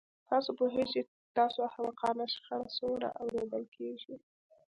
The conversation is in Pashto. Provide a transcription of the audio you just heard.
تاسو پوهیږئ چې ستاسو احمقانه شخړه څومره اوریدل کیږي